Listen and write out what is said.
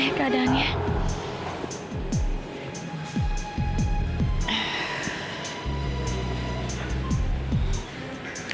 kalau ada apa aku langsung masuk